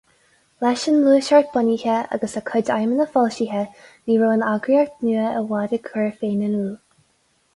Leis an nGluaiseacht bunaithe agus a cuid aidhmeanna foilsithe, ní raibh an eagraíocht nua i bhfad á cur féin in iúl.